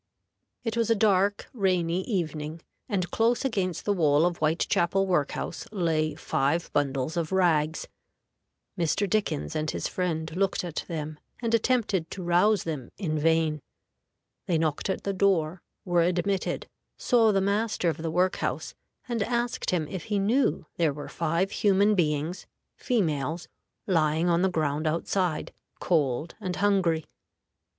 It was a dark, rainy evening, and close against the wall of Whitechapel Work house lay five bundles of rags. Mr. Dickens and his friend looked at them, and attempted to rouse them in vain. They knocked at the door, were admitted, saw the master of the work house, and asked him if he knew there were five human beings females lying on the ground outside, cold and hungry.